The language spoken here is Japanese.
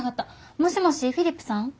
もしもしフィリップさん？